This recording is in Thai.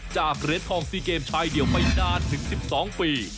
จากเร็ดทองซีเกมชายเดียวไปนานถึง๑๒ปี